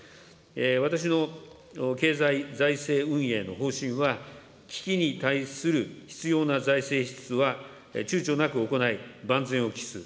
私の経済財政運営の方針は、危機に対する必要な財政支出はちゅうちょなく行い、万全を期す。